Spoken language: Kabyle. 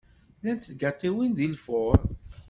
Llant tgaṭiwin deg lfur.